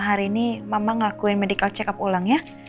hari ini mama ngelakuin medical check up ulang ya